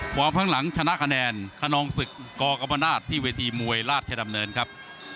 ข้างหลังชนะคะแนนคนนองศึกกกรรมนาศที่เวทีมวยราชดำเนินครับ